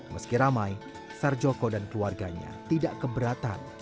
meski ramai sarjoko dan keluarganya tidak keberatan